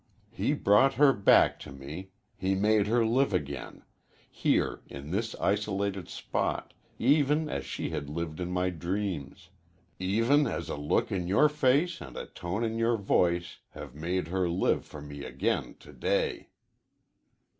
He brought her back to me he made her live again here, in this isolated spot, even as she had lived in my dreams even as a look in your face and a tone in your voice have made her live for me again to day."